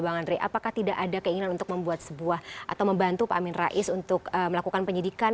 bang andre apakah tidak ada keinginan untuk membuat sebuah atau membantu pak amin rais untuk melakukan penyidikan